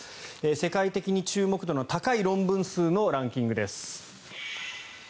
世界的に注目度の高い論文数のランキングです。